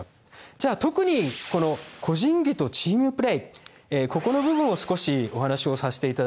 じゃあ特にこの個人技とチームプレイここの部分を少しお話をさしていただきます。